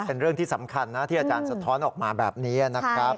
เป็นเรื่องที่สำคัญนะที่อาจารย์สะท้อนออกมาแบบนี้นะครับ